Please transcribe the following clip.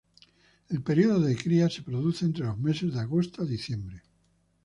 El período de cría se produce entre los meses de agosto a diciembre.